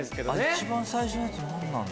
一番最初のやつ何なんだ？